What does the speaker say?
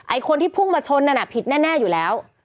คนที่พุ่งมาชนนั่นน่ะผิดแน่อยู่แล้ว